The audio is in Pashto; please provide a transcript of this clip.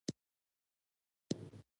د دنیا او آخرت تر منځ توپیر دی.